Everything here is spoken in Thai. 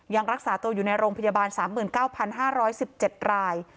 ยังรักษาตัวอยู่ในโรงพยาบาล๓๙๕๑๗ราย